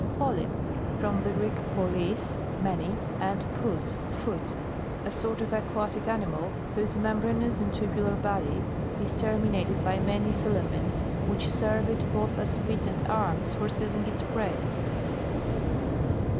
POLYPE. From the Greek, polus, many, and pous, foot. A sort o^ aquatic animal, whose me nbranous and tubu'ar body is termin itcd by many filaments, which serve it b./th as feet and arms for seizing its prey.